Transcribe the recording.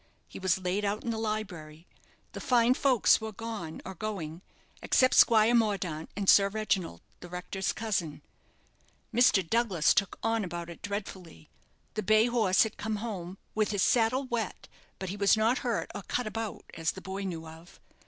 He was laid out in the library. The fine folks were gone, or going, except Squire Mordaunt and Sir Reginald, the rector's cousin. Mr. Douglas took on about it dreadfully; the bay horse had come home, with his saddle wet, but he was not hurt or cut about, as the boy knew of.